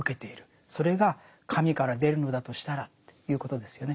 それが神から出るのだとしたらということですよね。